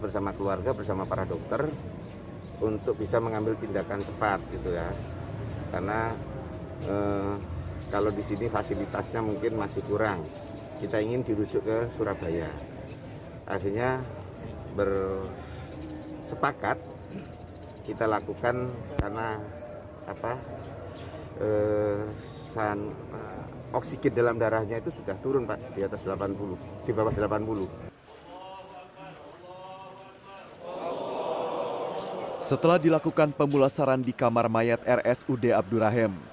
setelah dilakukan pemulasaran di kamar mayat rsud abdurahim